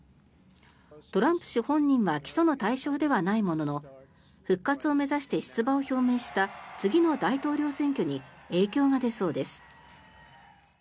トランプ氏本人は起訴の対象ではないものの復活を目指して出馬を表明した次の大統領選挙に影響が出そうです。